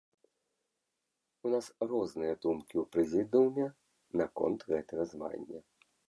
У нас розныя думкі ў прэзідыуме наконт гэтага звання.